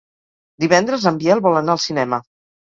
Divendres en Biel vol anar al cinema.